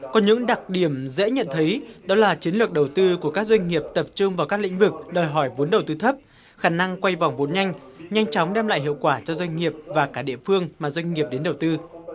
có những đặc điểm dễ nhận thấy đó là chiến lược đầu tư của các doanh nghiệp tập trung vào các lĩnh vực đòi hỏi vốn đầu tư thấp khả năng quay vòng vốn nhanh nhanh chóng đem lại hiệu quả cho doanh nghiệp và cả địa phương mà doanh nghiệp đến đầu tư